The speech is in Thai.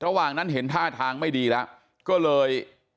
ระหว่างนั้นเห็นท่าทางไม่ดีแล้วก็เลย